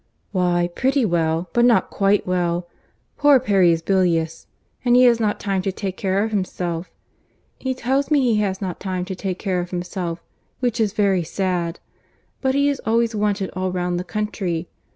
"Why, pretty well; but not quite well. Poor Perry is bilious, and he has not time to take care of himself—he tells me he has not time to take care of himself—which is very sad—but he is always wanted all round the country.